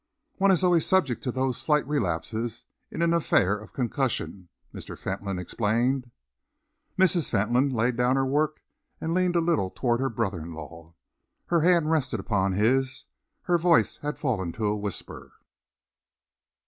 "One is always subject to those slight relapses in an affair of concussion," Mr. Fentolin explained. Mrs. Fentolin laid down her work and leaned a little towards her brother in law. Her hand rested upon his. Her voice had fallen to a whisper.